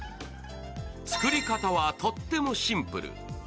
作り方はとってもシンプル。